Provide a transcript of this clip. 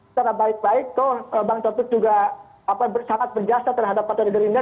secara baik baik toh bang taufik juga sangat berjasa terhadap partai gerindra